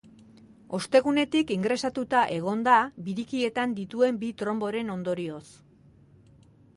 Ostegunetik ingrestauta egon da birikietan dituen bi tronboren ondorioz.